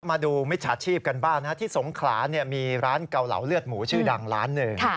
มาดูมิจฉัดชีพกันบ้างนะที่สงขลาเนี่ยมีร้านเกาเหล่าเลือดหมูชื่อดังล้านหนึ่ง